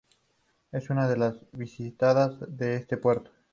Es una de las más visitadas de este puerto.